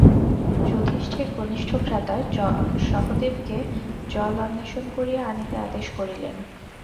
যুধিষ্ঠির কনিষ্ঠ ভ্রাতা সহদেবকে জল অন্বেষণ করিয়া আনিতে আদেশ করিলেন।